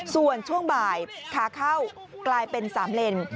ส่วนช่วงบ่ายขาเข้ากลายเป็น๓เลน